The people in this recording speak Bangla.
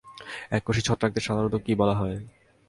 এককোষী ছত্রাকদের সাধারণত কী বলা হয়?